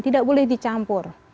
tidak boleh dicampur